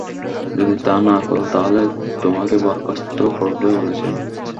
যদি তা না করো, তাহলে তোমাকে বরখাস্ত করবে বলেছেন।